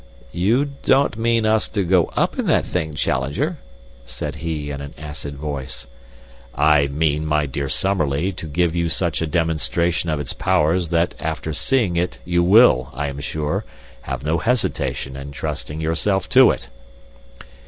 "You don't mean us to go up in that thing, Challenger?" said he, in an acid voice. "I mean, my dear Summerlee, to give you such a demonstration of its powers that after seeing it you will, I am sure, have no hesitation in trusting yourself to it."